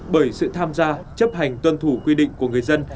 bởi sự tham gia chấp hành tuân thủ quy định của người dân